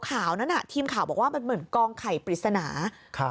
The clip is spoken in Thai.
ข่าวนั้นอ่ะทีมข่าวบอกว่ามันเหมือนกองไข่ปริศนาครับ